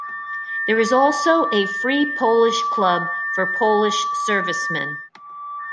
There is also a Free Polish Club for Polish servicemen.